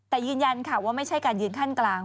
แต่ยืนยันค่ะว่าไม่ใช่การยืนขั้นกลาง